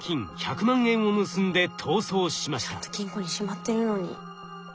ちゃんと金庫にしまってるのに。